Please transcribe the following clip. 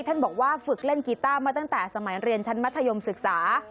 ท่านบอกว่าฝึกเล่นกีต้ามาตั้งแต่สมัยเรียนชั้นมัธยมศึกษา